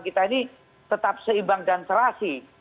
kita ini tetap seimbang dan serasi